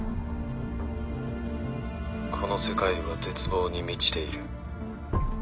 ☎この世界は絶望に満ちている